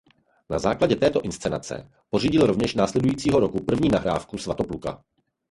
Na základě této inscenace pořídil rovněž následujícího roku první nahrávku "Svatopluka".